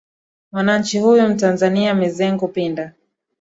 mwananchi huyu mtanzania mizengo pinda